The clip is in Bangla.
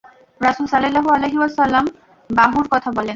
রাসূল সাল্লাল্লাহু আলাইহি ওয়াসাল্লাম বাহুর কথা বলেন।